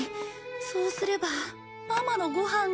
そうすればママのご飯が。